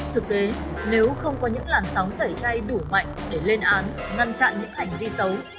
thực tế nếu không có những làn sóng tẩy chay đủ mạnh để lên án ngăn chặn những hành vi xấu